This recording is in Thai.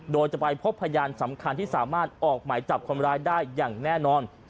โดยจะไปพบพยานสำคัญที่สามารถออกหมายจับคนร้ายได้อย่างแน่นอน